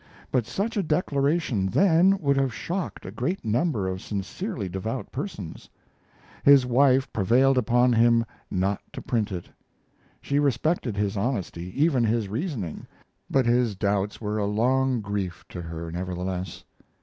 But such a declaration then would have shocked a great number of sincerely devout persons. His wife prevailed upon him not to print it. She respected his honesty even his reasoning, but his doubts were a long grief to her, nevertheless.